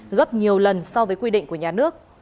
gấp nhiều lần so với quy định của nhà nước